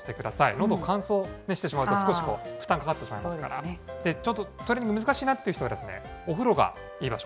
のど、乾燥してしまうと少し負担がかかってしまいますから、ちょっとトレーニング難しいなという人は、お風呂がいい場所。